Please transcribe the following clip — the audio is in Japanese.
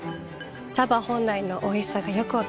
茶葉本来のおいしさがよく分かります。